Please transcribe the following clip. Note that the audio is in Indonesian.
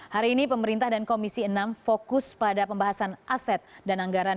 hari ini pemerintah dan komisi enam fokus pada pembahasan aset dan anggaran